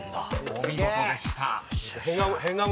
［お見事でした］